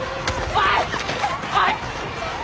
おい！